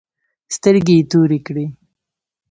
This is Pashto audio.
سترگې يې تورې کړې.